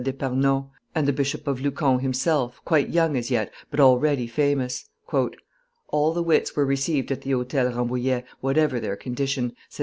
d'Epernon, and the Bishop of Lucon himself, quite young as yet, but already famous. "All the wits were received at the Hotel Rambouillet, whatever their condition," says M.